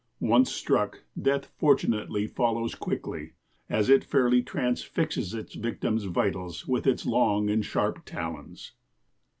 Once struck, death fortunately follows quickly, as it fairly transfixes its victim's vitals with its long and sharp talons."